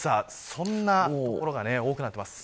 そんな所が多くなっています。